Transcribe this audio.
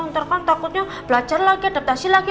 ntar kan takutnya belajar lagi adaptasi lagi